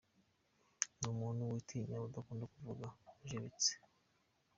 Ni umuntu witinya, udakunda kuvuga, ujebetse .